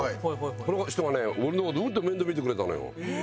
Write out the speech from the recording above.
その人がね俺の事をうんと面倒見てくれたのよ。